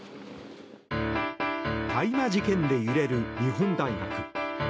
大麻事件で揺れる日本大学。